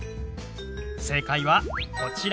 正解はこちら。